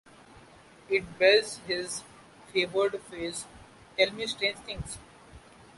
It bears his favoured phrase "tell me strange things".